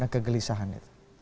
dan kegelisahan itu